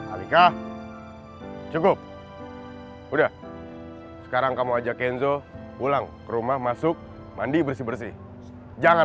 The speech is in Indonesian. alika cukup udah sekarang kamu ajak kenzo pulang ke rumah masuk mandi bersih bersih jangan